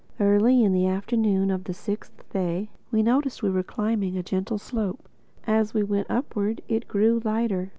Early in the afternoon of the sixth day, we noticed we were climbing a long gentle slope. As we went upward it grew lighter.